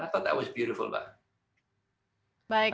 dan saya pikir itu sangat indah pak